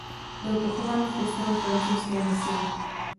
Byl pochován v kostele francouzské misie.